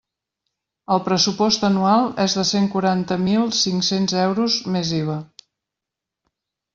El pressupost anual és de cent quaranta mil cinc-cents euros més IVA.